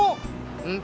dan bisa nemenin kamu